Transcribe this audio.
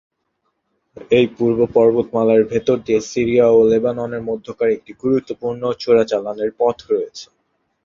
এই পূর্ব পর্বতমালার ভেতর দিয়ে সিরিয়া ও লেবাননের মধ্যকার একটি গুরুত্বপূর্ণ চোরাচালানের পথ রয়েছে।